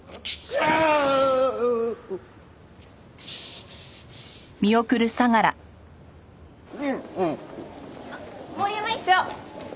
あっ森山院長！